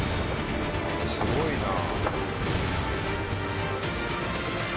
すごいなぁ。